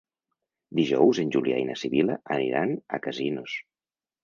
Dijous en Julià i na Sibil·la aniran a Casinos.